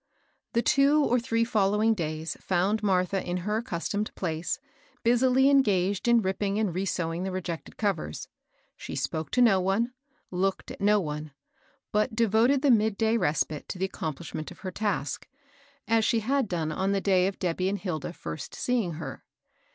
The two or three following days found Martha in her accustomed place, busily engaged in ripping and re sewing the rejected coveixa, ^c^a %^0«»Si \j^ 206 MABEL ROSS. no one, looked at no one, but devoted the mid day respite to the accomplishment of her task, as she had done on the day of Debby and Hilda first see ing her.